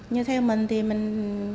như theo mình thì mình